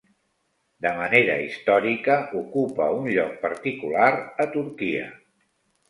De manera històrica, ocupa un lloc particular a Turquia.